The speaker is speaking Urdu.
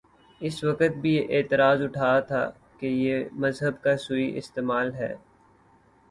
اس وقت بھی یہ اعتراض اٹھا تھاکہ یہ مذہب کا سوئ استعمال ہے۔